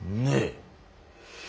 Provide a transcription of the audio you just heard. ねえ。